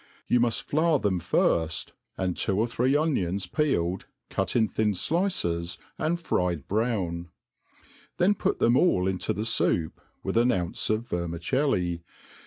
You muft flour them firft, and two or three onions peeled, cut in thin flrces, and fried brown ; then put them all into the foup, with an oliQce of vermicelli.